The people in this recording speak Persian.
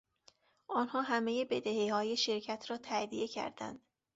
آنها همهی بدهیهای شرکت را تادیه کردند.